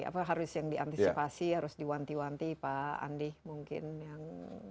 apa harus yang diantisipasi harus diwanti wanti pak andi mungkin yang